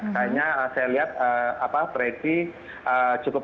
saya lihat prati cukup